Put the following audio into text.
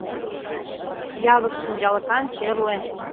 Явык. шинчалыкан, черле.